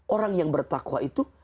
orang yang bertakwa itu